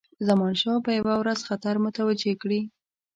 زمانشاه به یو ورځ خطر متوجه کړي.